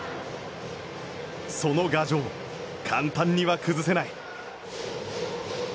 その牙城、簡単には崩せない。